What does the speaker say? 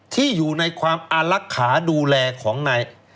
ที่อยู่ในความอารักษาดูแลของนาย